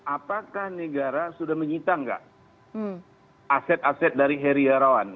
apakah negara sudah menyita nggak aset aset dari heri wirawan